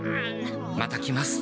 また来ます